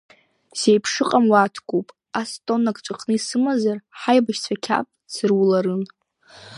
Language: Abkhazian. Зеиԥшыҟам уаткоуп, ас тоннак ҵәахны исымазар ҳаибашьцәа қьаф дсыруларын.